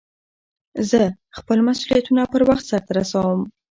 زه خپل مسئولیتونه پر وخت سرته رسوم.